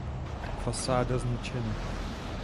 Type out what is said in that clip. Fasáda zničena.